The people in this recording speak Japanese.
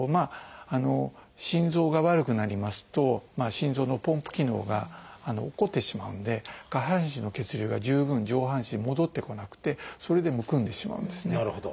心臓が悪くなりますと心臓のポンプ機能が落っこちてしまうんで下半身の血流が十分上半身に戻ってこなくてそれでむくんでしまうんですね。